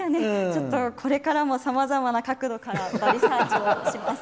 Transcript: ちょっとこれからも、さまざまな角度からバリサーチをします。